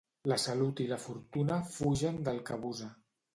La salut i la fortuna fugen del que abusa.